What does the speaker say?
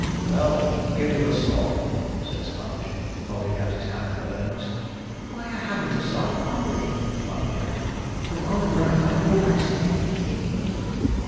'Well, give me the sov.,' said Sponge, holding out his hand for earnest. 'Why, I haven't a sov. upon me,' replied Jack; 'but, honour bright, I'll do what I say.'